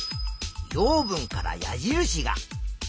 養分から矢印が。